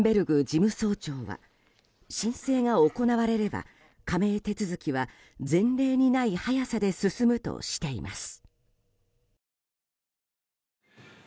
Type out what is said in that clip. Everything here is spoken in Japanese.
事務総長は申請が行われれば加盟手続きは前例にない速さで進むとしています。